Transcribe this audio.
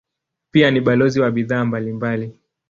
Pia ni balozi wa bidhaa mbalimbali.